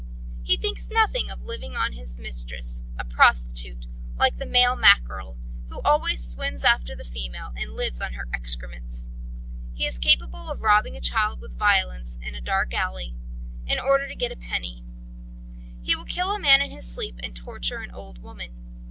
He thinks nothing of living on his mistress, a prostitute, like the male mackerel, who always swims after the female and lives on her excrements. He is capable of robbing a child with violence in a dark alley, in order to get a penny; he will kill a man in his sleep and torture an old woman.